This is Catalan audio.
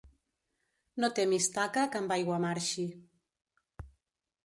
No temis taca que amb aigua marxi.